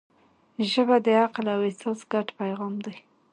ژبه د عقل او احساس ګډ پیغام دی